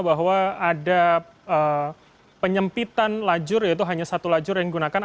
bahwa ada penyempitan lajur yaitu hanya satu lajur yang digunakan